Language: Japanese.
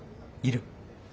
いる？